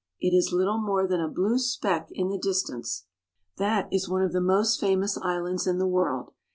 It is little more than a blue speck in the distance. That is one of the most famous islands in the world.